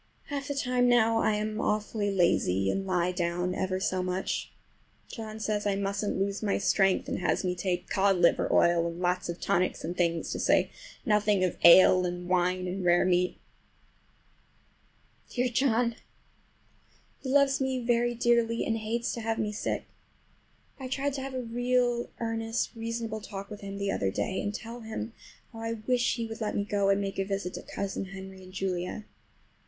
Half the time now I am awfully lazy, and lie down ever so much. John says I musn't lose my strength, and has me take cod liver oil and lots of tonics and things, to say nothing of ale and wine and rare meat. Dear John! He loves me very dearly, and hates to have me sick. I tried to have a real earnest reasonable talk with him the other day, and tell him how I wish he would let me go and make a visit to Cousin Henry and Julia.